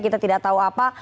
kita tidak tahu apa